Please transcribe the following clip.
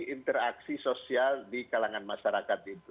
interaksi sosial di kalangan masyarakat itu